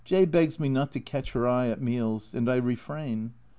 J begs me not to catch her eye at meals, and I refrain.